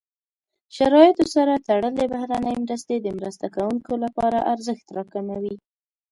شرایطو سره تړلې بهرنۍ مرستې د مرسته کوونکو لپاره ارزښت راکموي.